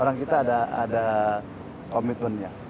orang kita ada komitmennya